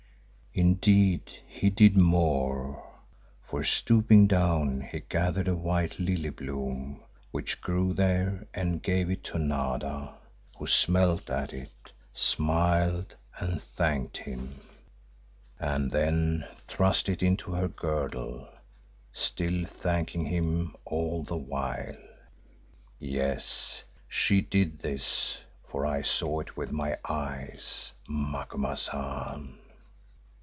Indeed, he did more, for stooping down he gathered a white lily bloom which grew there and gave it to Nada, who smelt at it, smiled and thanked him, and then thrust it into her girdle, still thanking him all the while. Yes, she did this for I saw it with my eyes, Macumazahn."